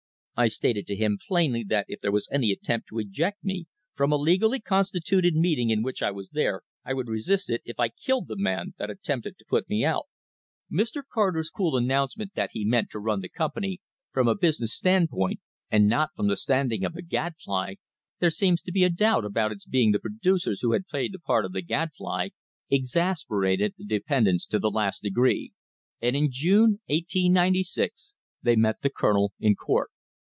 I stated to him plainly that if there was any attempt to eject me from a legally constituted meeting in which I was there, I would resist it if I killed the man that attempted to put me out." Mr. Carter's cool announcement that he meant to run the company "from a business stand point, and not from the stand point of a gadfly" there seems to be a doubt about its being the producers who had played the part of the gadfly exas perated the independents to the last degree, and in June, 1896, they met the colonel in court.